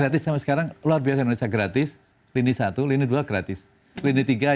gratis sampai sekarang luar biasa indonesia gratis lini satu lini dua gratis lini tiga